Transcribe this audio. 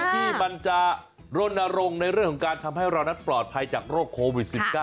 ที่มันจะรณรงค์ในเรื่องของการทำให้เรานั้นปลอดภัยจากโรคโควิด๑๙